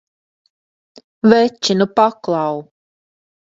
Veči, nu paklau!